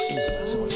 すごい。